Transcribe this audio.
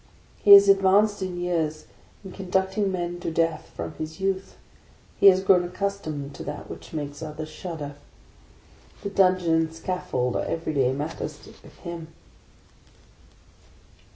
He has advanced in years in conducting men to death from his youth, he has grown accustomed to that which makes others shudder. The dungeon and scaffold are every day matters with him.